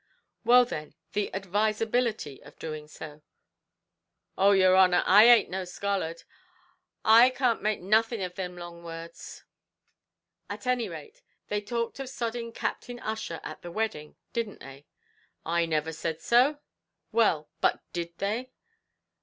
"Well, then, the advisability of doing so?" "Oh, yer honer, I aint no scollard. I can't make nothin' of thim long words." "At any rate, they talked of sodding Captain Ussher at the wedding didn't they?" "I niver said so." "Well, but did they?"